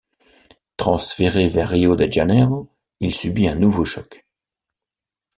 Transféré vers Rio de Janeiro, il subit un nouveau choc.